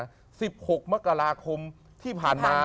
หรือคนเกิดราศิกัณฑ์ราศิมีนพ้นเคราะห์นะ๑๖มกราคมที่ผ่านมา